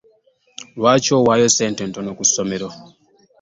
Lwaki owaayo ssente ntono ku ssomero?